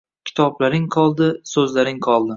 Kitoblaring qoldi, so‘zlaring qoldi